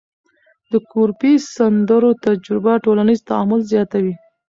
د ګروپي سندرو تجربه ټولنیز تعامل زیاتوي.